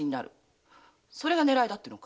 それが狙いだっていうの？